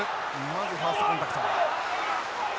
まずファーストコンタクト。